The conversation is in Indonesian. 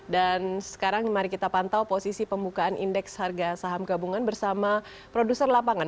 sekarang mari kita pantau posisi pembukaan indeks harga saham gabungan bersama produser lapangan